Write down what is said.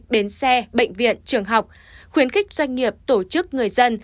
bến xe bệnh viện trường học khuyến khích doanh nghiệp tổ chức người dân